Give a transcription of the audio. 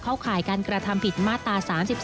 ข่ายการกระทำผิดมาตรา๓๒